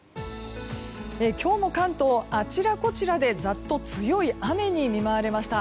今日も関東あちらこちらでざっと強い雨に見舞われました。